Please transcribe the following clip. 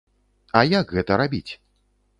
А як гэта рабіць?